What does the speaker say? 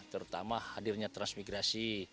terutama hadirnya transmigrasi